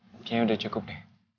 kayaknya udah cukup deh